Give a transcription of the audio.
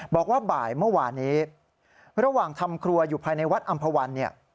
บอกว่าบ่ายเมื่อวานนี้ระหว่างทำครัวอยู่ภายในวัดอำภาวันเนี่ย